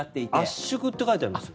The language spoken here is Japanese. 圧縮って書いてあります。